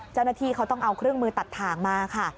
เจ้าหน้าที่เขาต้องเอาเครื่องมือตัดถ่างมาค่ะ